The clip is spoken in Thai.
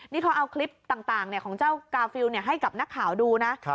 นี่เขาเอาคลิปต่างของเจ้ากาฟิลให้กับนักข่าวดูนะ